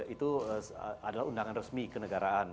itu adalah undangan resmi kenegaraan